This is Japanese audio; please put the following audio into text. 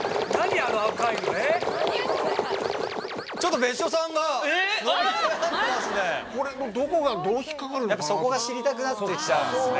やっぱそこが知りたくなって来ちゃうんですね。